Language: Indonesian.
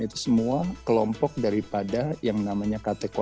itu semua kelompok daripada yang namanya kategori